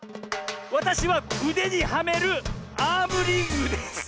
わたしはうでにはめるアームリングです！